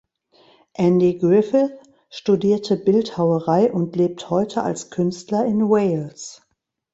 Andy Griffiths studierte Bildhauerei und lebt heute als Künstler in Wales.